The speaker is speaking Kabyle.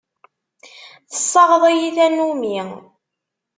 Tessaɣeḍ-iyi tannumi.